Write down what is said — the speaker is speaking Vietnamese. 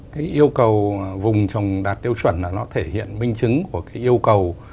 cái yêu cầu vùng trồng đạt tiêu chuẩn là nó thể hiện minh chứng của cái yêu cầu